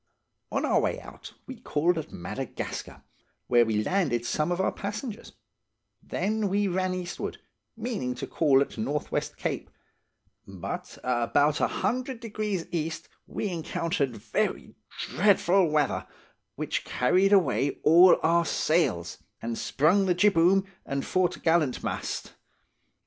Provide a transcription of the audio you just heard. "On our way out, we called at Madagascar, where we landed some of our passengers; then we ran eastward, meaning to call at North West Cape; but about a hundred degrees east we encountered very dreadful weather, which carried away all our sails, and sprung the jibboom and foret'gallantmast.